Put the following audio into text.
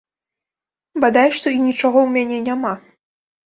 Бадай што і нічога ў мяне няма.